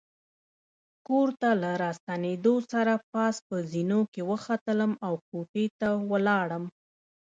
کور ته له راستنېدو سره پاس په زینو کې وختلم او کوټې ته ولاړم.